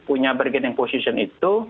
punya bergening position itu